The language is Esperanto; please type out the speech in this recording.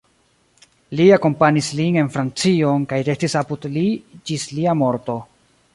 Li akompanis lin en Francion kaj restis apud li ĝis lia morto.